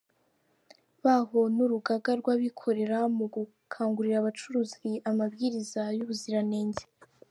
Baho n’Urugaga rw’abikorera mu gukangurira abacuruzi amabwiriza y’ubuziranenge